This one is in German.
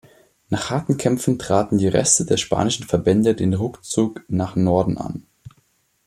Nach harten Kämpfen traten die Reste der spanischen Verbände den Rückzug nach Norden an.